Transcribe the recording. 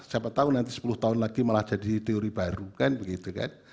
siapa tahu nanti sepuluh tahun lagi malah jadi teori baru kan begitu kan